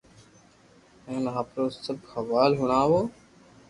ھين آپرو سب حوال ھڻاو